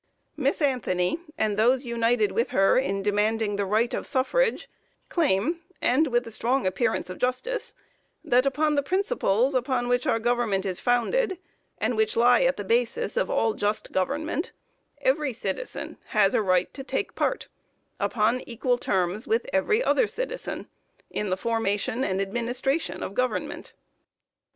Miss Anthony, and those united with her in demanding the right of suffrage, claim, and with a strong appearance of justice, that upon the principles upon which our government is founded, and which lie at the basis of all just government, every citizen has a right to take part, upon equal terms with every other citizen, in the formation and administration of government.